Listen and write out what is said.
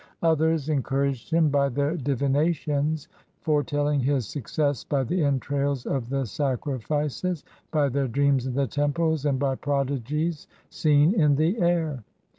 Others encouraged him by their divinations, foretelling his suc cess by the entrails of the sacrifices, by their dreams in the temples, and by prodigies seen in the air.